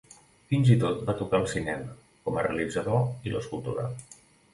Fins i tot va tocar el cinema, com a realitzador, i l'escultura.